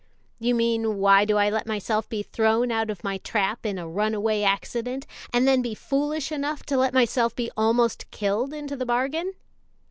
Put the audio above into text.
"You mean, why do I let myself be thrown out of my trap in a runaway accident, and then be foolish enough to let myself be almost killed into the bargain?"